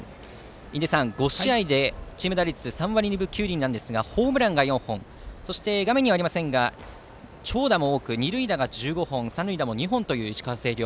印出さん、５試合でチーム打率、３割２分９厘ですがホームランが４本そして、画面にはありませんが長打も多く二塁打が１５本三塁打も２本という石川・星稜。